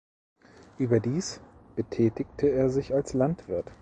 Überdies betätigte er sich als Landwirt.